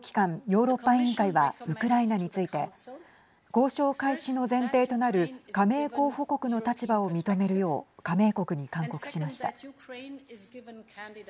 ヨーロッパ委員会はウクライナについて交渉開始の前提となる加盟候補国の立場を認めるよう加盟国に勧告しました。